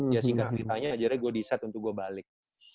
ya singkatnya ditanya akhirnya gue decide untuk gue balik